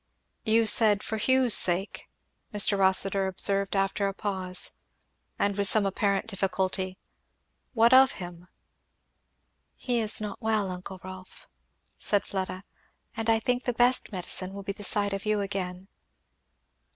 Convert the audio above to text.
"You said 'for Hugh's sake,'" Mr. Rossitur observed after a pause, and with some apparent difficulty; "what of him?" "He is not well, uncle Rolf," said Fleda, "and I think the best medicine will be the sight of you again."